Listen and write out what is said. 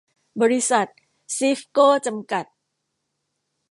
บริษัท ซีฟโก้ จำกัด